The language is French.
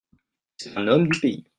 C'est un homme du pays.